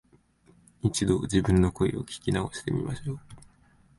一度、自分の声を聞き直してみましょう